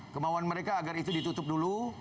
kemauan mereka agar itu ditutup dulu